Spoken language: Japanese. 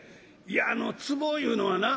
「いやあのつぼいうのはな